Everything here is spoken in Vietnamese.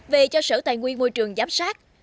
về cho sở tài nguyên môi trường giám sát